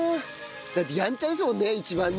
だってヤンチャですもんね一番ね。